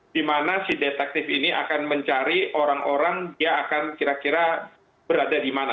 dimana si detektif ini akan mencari orang orang dia akan kira kira berada dimana